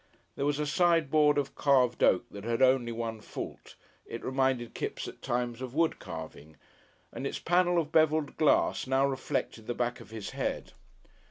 There was a sideboard of carved oak that had only one fault, it reminded Kipps at times of wood carving, and its panel of bevelled glass now reflected the back of his head.